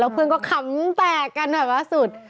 แล้วเพื่อนก็คำแปลกกันแบบว่าสุด